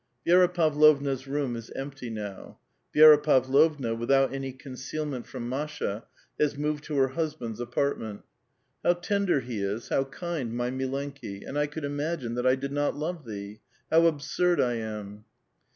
Vi6ra Pavlovna's room is empty now. Vi6ra Pavlovna, without anv concealment from Masha, has moved to her hus band's apartment. " How tender he is, how kind, my mi lenkl I and I could imagine that I did not love thee ! How absurd I am